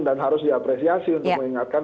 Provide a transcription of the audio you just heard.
dan harus diapresiasi untuk mengingatkan